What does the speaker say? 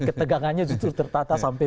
ketegangannya justru tertata sampai